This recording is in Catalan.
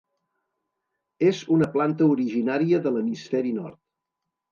És una planta originària de l'hemisferi nord.